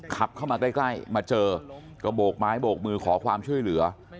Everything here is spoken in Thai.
ขับเข้ามาใกล้มาเจอก็โบกไม้โบกมือขอความช่วยเหลือ